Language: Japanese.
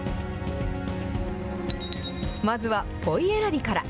まずは、ポイ選びから。